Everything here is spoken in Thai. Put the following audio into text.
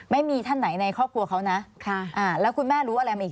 ไม่มีท่านไหนในครอบครัวเขานะแล้วคุณแม่รู้อะไรมาอีก